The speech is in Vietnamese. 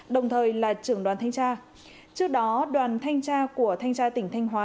đồng thời là trưởng đoàn thanh tra trước đó đoàn thanh tra của thanh tra tỉnh thanh hóa